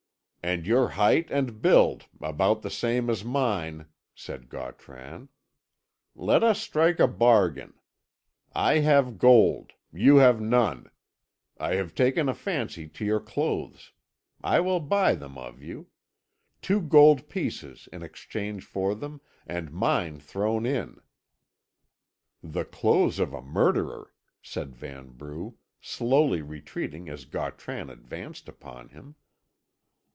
"And your height and build, about the same as mine," said Gautran. "Let us strike a bargain. I have gold you have none. I have taken a fancy to your clothes; I will buy them of you. Two gold pieces in exchange for them, and mine thrown in." "The clothes of a murderer," said Vanbrugh, slowly retreating as Gautran advanced upon him.